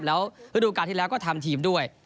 แล้วฤดูการที่แล้วก็ทำทีมด้วย